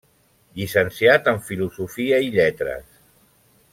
Llicenciat en Filosofia i Lletres.